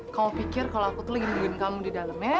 kau pikir kalau aku tuh lagi nungguin kamu di dalamnya